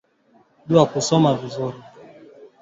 Anaenda kukata mikanda ya pango